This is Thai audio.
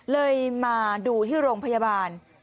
เลยมาดูที่โรงพยาบาล